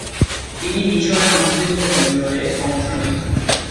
তিনি মিশরে মুসলিমদের বিজয়ে অংশ নিয়েছিলেন।